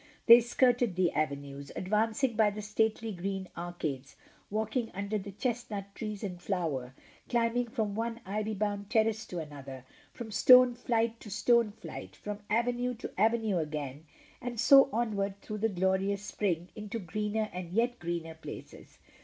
They skirted the avenues, advancing by the stately green arcades, walking under the chestnut trees in flower, climbing from one ivy bound terrace to an other— from stone flight to stone flight, fi:om avenue to avenue again, and so onward through the glorious spring into greener and yet greener places.